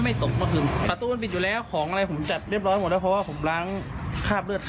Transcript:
ได้นั่งคุยกันน้องแล้วก็เปิดเพลงกัน